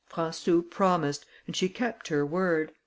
Françou promised, and she kept her word.